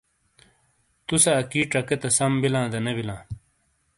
تُوسے اَکی ڇَکے تا سَم بِیلاں دا نے بِیلاں۔